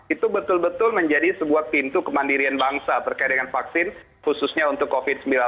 itu betul betul menjadi sebuah pintu kemandirian bangsa terkait dengan vaksin khususnya untuk covid sembilan belas